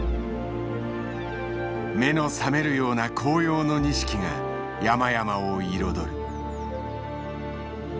目の覚めるような紅葉の錦が山々を彩る。